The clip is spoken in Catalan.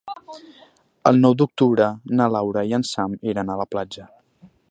El nou d'octubre na Laura i en Sam iran a la platja.